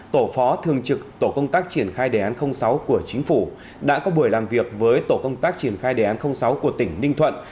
tổ phó thường trực tổ công tác triển khai đề án sáu của chính phủ đã có buổi làm việc với tổ công tác triển khai đề án sáu của tỉnh ninh thuận